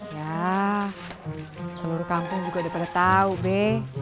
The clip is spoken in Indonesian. ya seluruh kampung juga udah pada tahu be